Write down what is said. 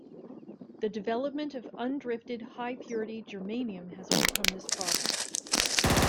The development of undrifted high purity germanium has overcome this problem.